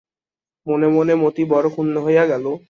মনে মনে মতি বড় ক্ষুন্ন হইয়া গেল।